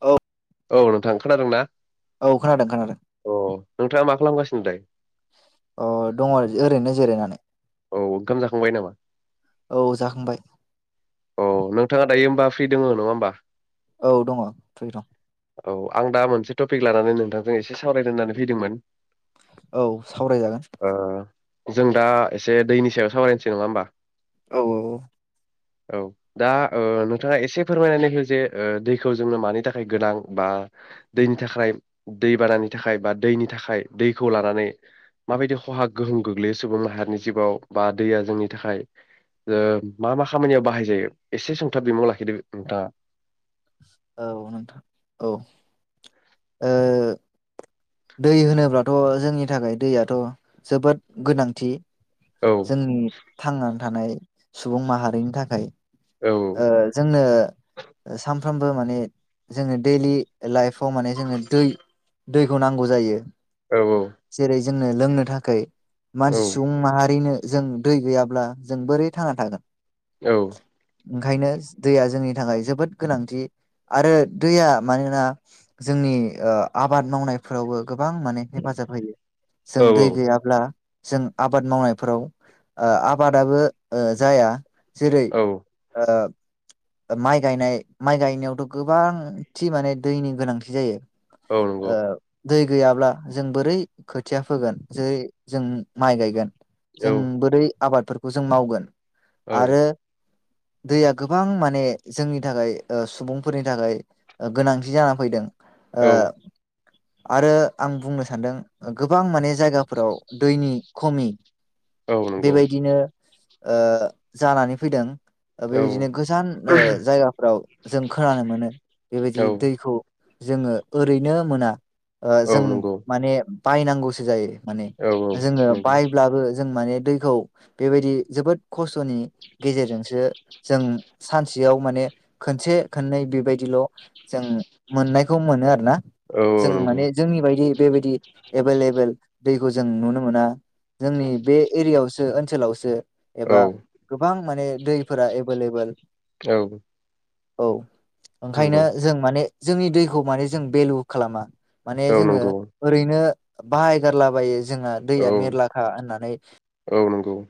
औ औ नोंथां खोनादोंना? औ खोनादों खोनादों अ नोंथाङा मा खालामगासिनो? फ्राय? अ दङ आरो ओरैनो जिरायनानै औ ओंखाम जाखांबाय नामा? औ जाखांबाय। औ नोंथाङा दायो होनबा फ्रि दङ' नङा होनोमबा। औ दङ' फ्रि दं औ आं दा मोनसे टपिक लानानै नोंथांजों एसे सावरायनो होननानै फैदोंमोन। औ सावरायजागोन। ओ जों दा एसे दैनि सायाव सावरायनोसै नङा होनोमबा। औ औ। औ दा ओ‌ नोंथाङा एसे फोरमायनानै हो जे ओ दैखौ जोंनो मानि थाखाय गोनां बा दैनि थाखाय दैबानानि थाखाय बा दैनि थाखाय दैखौ लानानै माबायदि खहा गोहोम गोग्लैयो सुबुं माहारिनि जिबाव बा दैया जोंनि थाखाय ओ मा मा खामानियाव बाहाय जायो एसे सुंथाब बिमुं लाखिदो नोंथाङा। औ नोंथां औ ओ। दै होनोब्लाथ' जोंनि थाखाय दैयाथ' जोबोद गोनांथि। औ जोंनि थांनानै थानाय सुबुं माहारिनि थाखाय औ ओ जोंनो ओ सान फ्रोमबो माने जोङो देइलि लाइफआव माने जोंनो दै-दैखौ नांगौ जायो। औ औ। जेरै जोंनो लोंनो थाखै औ मानसि सुबुं माहारिनो जों दै गैयाब्ला जों बोरै थांना थागोन? औ। ओंखायनो दैया जोंनि थाखाय जोबोद गोनांथि आरो दैया मानोना जोंनि ओ आबाद मावनायफोरावबो गोबां माने हेफाजाब होयो। जों दै गैयाब्ला जों आबाद मावनायफोराव ओ आबादाबो ओ जाया। जेरै औ। ओ माइ गायनाय माइ गायनायावथ' गोबां थि माने दैनि गोनांथि जायो। औ नंगौ। ओ दै गैयाब्ला जों बोरै खोथिया फोगोन जेरै जों माइ गायगोन? जों औ बोरै आबादफोरखौ जों मावगोन आरो दैया गोबां माने जोंनि थाखाय ओ सुबुंफोरनि थाखाय गोनांथि जानानै फैदों। ओ। आरो आं बुंनो सान्दों गोबां माने जायगाफोराव दैनि खमि बेबायदिनो ओ जानानै फैदों। बेबायदिनो गोजान ओ जायगाफ्राव जों खोनानो मोनो औ बेबायदि दैखौ जोङो ओरैनो मोना। ओ औ जों नंगौ माने। बायनांगौसो जायो। माने औ औ औ जोङो नंगौ बायब्लाबो। जों माने दैखौ बेबायदि जोबोद खस्थ'नि गेजेरजोंसो जों सानसेयाव माने खनसे खननै बेबाय दिल' जों मोननाय खौ मोनो आर ना औ जों औ नंगौ माने जोंनि बायदि बेबायदि एभलेबेल दैखौ जों नुनो मोना जोंनि बे एरियायावसो ओनसोलावसो औ एबा गोबां माने दैफोरा एभेलेबोल औ नंगौ औ औ ओंखायनो नंगौ जों माने जोंनि दैखौ माने जों भेलु खालामा। माने औ जोङो नंगौ ओरैनो बाहाय गारला बायो। जोंना औ दैया मेरलाखा होननानै। नंगौ औ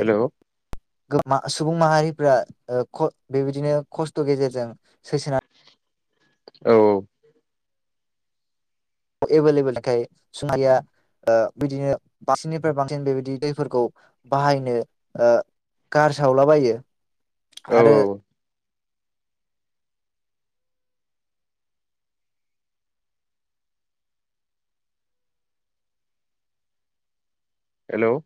हेल'। गोमा सुबुं माहारिफ्रा ओ ख' बेबायदिनो खस्थ' गेजेरजों सैसोना औ औ। एभेलेबेल खाय सुं माहारिया ओ बिदिनो बांसिननिफ्राय बांसिन बेबायदि दैफोरखौ बाहायनो ओ गारसावलाबायो। औ आरो औ। हेल'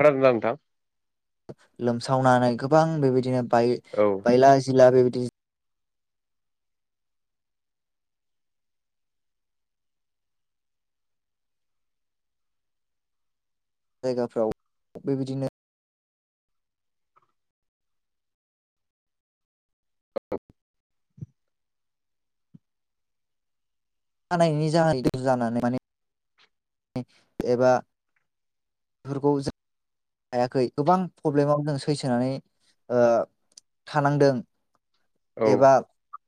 खानादों ना नोंथां? लोमसावनानै गोबां बेबायदिनो बाय औ औ बायला जिला बे [unintelligible] जायगाफ्राव बेबायदिनो [unintelligible] जानायनि जाहोन [unintelligible] जानानै माने एबा फोरखौ जों हायाखै गोबां प्रब्लेमाव जों सैसोनानै ओ थानांदों। एबा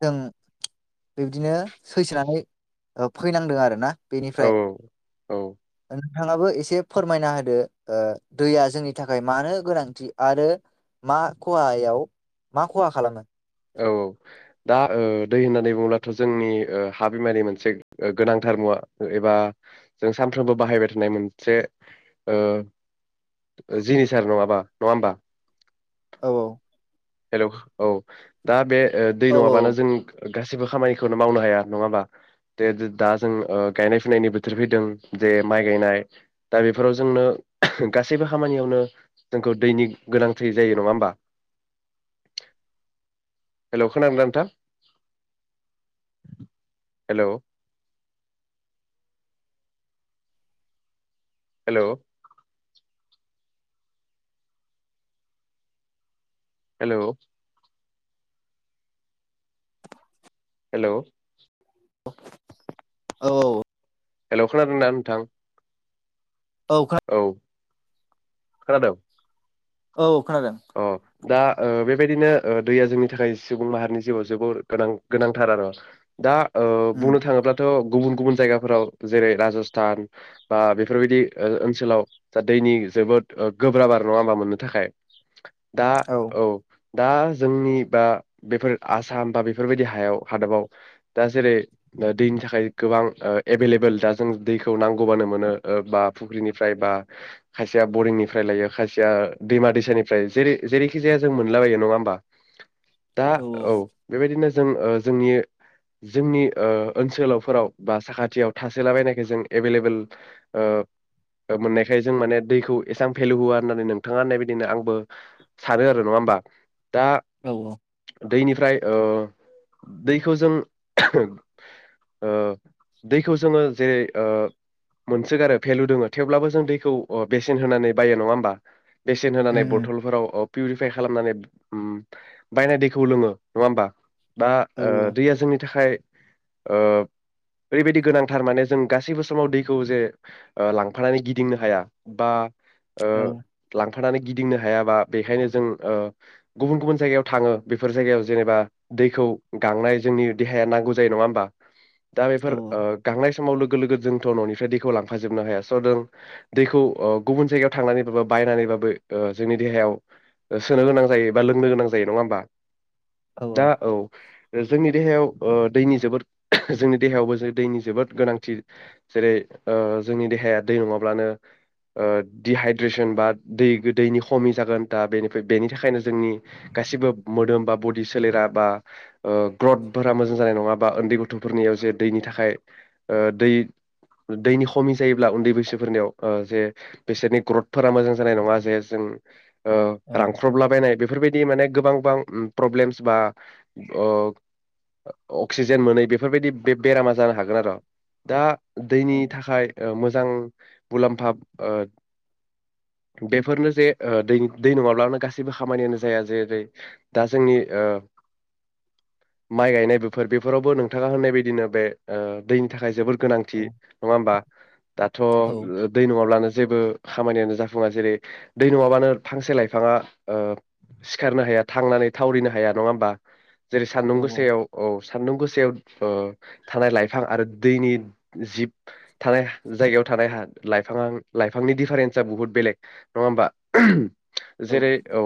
जों बिब्दिनो सैसोनानै ओ फैनांदों आरो ना। औ औ। औ नोंथांङाबो एसे फोरमायना होदो ओ दैया जोंनि थाखाय मानो गोनांथि आरो मा खहायाव मा खहा खालामो? औ औ दा ओ दै होननानै बुङोब्लाथ' जोंनि ओ हा बिमानि मोनसे गोनांथार मुवा एबा जों सानफ्रोमबो बाहायबाय थानाय मोनसे ओ जिनिसार नंङाबा नङा ओनबा? औ औ हेलौ औ दा बे ओ दै औ नंङा बानो औ जों गासैबो खामानिखौनो मावनो हाया नङा ओमबा दे दे दा जों ओ गायनाय फुनायनि बोथोर फैदों जे माइ गायनाय दा बेफोराव जोंनो गासैबो खामानियावनो जोंखौ दैनि गोनांथि जायो नङा ओमबा? हेलौ खोनादोंना नोंथां हेलौ हेलौ हेलौ हेलौ औ औ हेलौ खोनादों ना नोंथां? औ खोना खोनादों। औ खोनादों अ दा ओ बे बेदिनो ओ दैया जोंनि थाखाय सुबुं माहारिनि जिउआव जोबोर गोनां गोनांथार आर दा ओ उम बुंनो थाङोब्लाथ' गुबुन गुबुन जायगाफोराव जेरै राजस्थान बा बेफोरबायदि ओ ओनसोलाव दा दैनि जोबोद ओ गोब्राब आरो नङा ओमबा मोननो थाखाय। [inaudible] दा औ दा जोंनि बा बेफोर आसाम बा बेफोरबायदि हायाव हादाबाव दा जेरै दैनि थाखाय गोबां ओ एभेलेबल दा जों दैखौ नांगौबानो मोनो ओ बा फुख्रिनिफ्राय बा खायसेया बरिं निफ्राय लायो खायसेया दैमा दैस फ्राय जेरै जेरैखि जाया जों मोनलाबायो नङा ओमबा? दा औ बेबायदिनो जों ओ जोंनि जोंनि ओ ओनसोलावफोराव बा साखाथियाव थासोला बायनायखाय जों एभेलेबेल ओ मोननायखाय जों माने दैखौ एसेबां भेलु होआा होननानै नोंथांङा होननाय बायद बिदिनो आंबो सानो आरो नङा ओमबा? औ औ दैनिफ्राय ओ दैखौ जों ओ दैखौ जों जे ओ मोनसोगारो भेलु दोंङो थेवब्लाबो जों दैखौ ओ बेसेन होनानै बायो नङा ओमबा बेसेन होनानै उम बथलफोराव अफ पिउरिफाय खालामनानै उम बायनाय दैखौ लोंङो नङा ओमबा बा ओ उम दैया जोंनि थाखाय ओ ओरैबायदि गोनांथार माने जों गासैबो समाव दैखौ जे ओ लांफानानै गिदिंनो हाया बा ओ औ लांफानानै गिदिंनो हायाबा बेखायनो जों ओ गुबुन गुबुन जायगायाव थांङो बेफोर जायगायाव जेनेबा दैखौ गांनाय जोंनि देहाया नांगौ जायो नङा ओमबा? दा औ बेफोर ओ गांनाय समाव लोगो लोगो जोंथ न'निफ्राय दैखौ लांफा जोबनो हाया स जों दैखौ ओ गुबुन जायगायाव थांनानै बाबाब बायनानैबाबो ओ जोंनि देहायाव सोनो गोनां जायो बा लोंनो गोनां जायो नङा ओमबा? औ दा औ जोंनि देहायाव ओ दैनि जोबोद जोंनि देहायावबो दैनि जोबोद गोनांथि जेरै ओ जोंनि देहाया दै नङाब्लानो ओ दि हाइद्रेस जेनबा दै गै दैनि खमि जागोन दा बेनिफ्राय बेनि थाखायनो जोंनि गासिबो मोदोम बा बडि सोलेरा बा ग्रथफोरा मोजां जानाय नङा बा ओन्दै गथ'फोरनियाव जे दैनि थाखाय ओ दै दैनि खमि जायोब्ला उन्दै बैसोफोरनियाव ओ जे बिसोरनि ग्रथ फोरा मोजां जानाय नङा जे जों ओ रांख्रबलाबायनाय बेफोरबाय बिदि माने गोबां बां प्रब्लेमस बा अ अक्सिजेन मोनै बेफोरबायदि बे बेरामा जानो हागोन आरो दा दैनि थाखाय ओ मोजां बुलामफाब ओ बेफोरनो जे ओ दै दै नङाब्लानो गासैबो खामानियानो जाया जेरै दा जोंनि ओ माइ गायनाय बेफोर बेफोरावबो नोंथाङा होननाय बायदिनो बे ओ दैनि थाखाय जोबोद गोनांथि नङा होमबा? दाथ' दै नङाब्लानो जेबो खामानियानो जाफुङा जेरै दै नङाबानो फांसे लाइफाङा ओ सिखारनो हाया थांनानै थावरिनो हाया नङा होमबा‌? जेरै सान्दुं गोसायाव औ सान्दुं गोसायाव ओ थानाय लाइफां आरो दैनि जिब थानाय जायगायाव थानाय लाइफाङा लाइफांनि दिफारेन्स [unintelligible] बुहुत बेलेग नङा होमबा? जेरै औ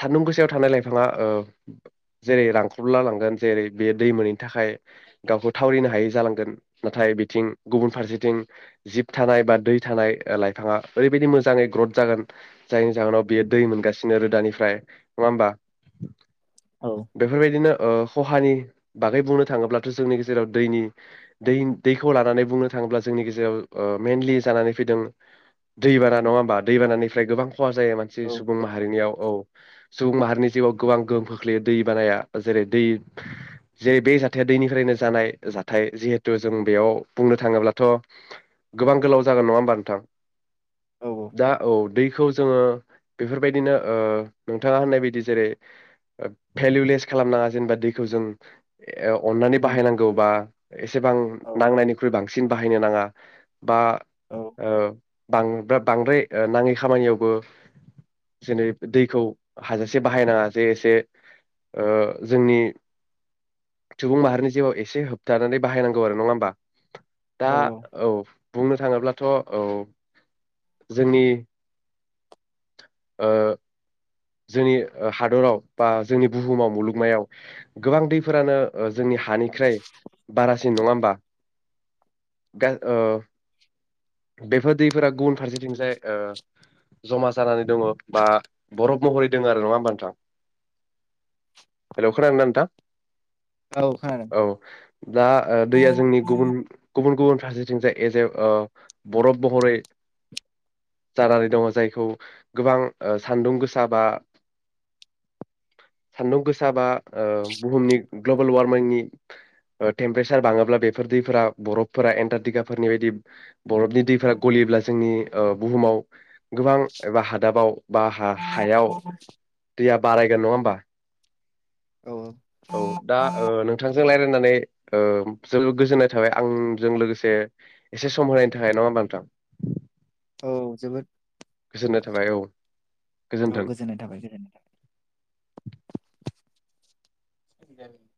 सान्दुं गोसायाव थानाय लाइफाङा ओ जेरै रांखबला लांगोन जेरै बे दै मोनैनि थाखाय गावखौ थावरिनो हायै जालांगोन नाथाय बिथिं गुबुन फारसेथिं जिब थानाय बा दै थानाय लाइफाङा ओरैबायदि मोजाङै ग्रथ जागोन जायनि जाहोनाव बेयो दै मोनगासिनो रोदानिफ्राय नङा होमबा? औ बेफोरबायदिनो ओ खहानि बागै बुंनो थाङोब्लाथ' जोंनि गेजेराव दैनि दै-दैखौ लानानै बुंनो थाङोब्ला जोंनि गेजेराव मेइनलि जानानै फैदों दैबाना नङा होमबा दैबानानिफ्राय गोबां खहा जायो मानसि सुबुं माहारिनियाव औ । सुबुं माहारिनि जिउआव गोबां गोहोम खोख्लैयो दै बानाया जेरै दै जेरै बे जाथाया दैनिफ्रायनो जानाय जाथाय जिहेथु जों बेयाव बुंनो थाङोब्लाथ' गोबां गोलाव जागोन नङा होमबा नोंथां? औ दा औ दैखौ जोङो बेफोरबायदिनो ओ नोंथाङा होननाय बायदि जेरै भेलुलेस खालामनाङा जेनेबा दैखौ जों ए अननानै उम बाहायनांगौ बा एसेबां औ नांनायनिख्रुइ बांसिन बाहाय बाहायनो नाङा । बा औ औ ओ बांद्रा-बांद्राय ओ नाङै खामानियावबो जेरै दैखौ हाजासे बाहायनाङा जे एसे ओ जोंनि सुबुं माहारिनि जिउआव एसे होबथानानै बाहायनांगौ आरो नङा होमबा? दा औ बुंनो थाङोब्लाथ' औ । जोंनि ओ जोंनि हादराव बा जोंनि बुहुमाव मुलुगमायाव गोबां दैफोरानो ओ जोंनि हानिख्रोय बारा सिन नङा होमबा? बेफोर दैफोरा गुबुन फारसेथिंजाय ओ जमा जानानै दङ' बा बरफ महरै दङ' आरो नङा होमबा नोंथां? हेल' खोनादोंना नोंथां? औ खोनादों औ दा ओ दैया जोंनि गुबुन औ गुबुन गुबुन फारसेथिं जाय एज ए अ बरफ महरै जानानै दङ जायखौ गोबां सानदुं गोसा बा सान्दुं गोसा बा बुहुमनि ग्लबेल वारमिंनि टेम्पारेसार बाङोब्ला बेफोर दैफोरा बरफफोरा एन्टारटिकाफोरनि बायदि बरफनि दैफोरा गलियोब्ला जोंनि ओ बुहुमाव गोबां एबा हादाबाव बा हायाव दैया बारायगोन नङा होमबा। औ औ दा नोंथांजों रायजलायनानै जोबो गोजोननाय थाबाय आंजों लोगोसे एसे सम होनायनि थाखाय नङा होमबा नोंथां। औ जोबोद गोजोननाय थाबाय औ औ गोजोन्थों गोजोननाय थाबाय गोजोननाय थाबाय। [unintelligible]